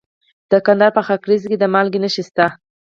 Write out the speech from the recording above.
د کندهار په خاکریز کې د مالګې نښې شته.